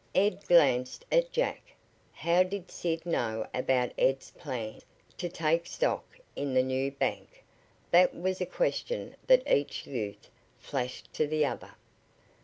Ed glanced at Jack. How did Sid know about Ed's plan to take stock in the new bank? That was a question that each youth flashed to the other.